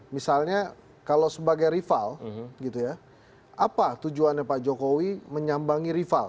misalnya kalau sebagai rival apa tujuannya pak jokowi menyambangi rival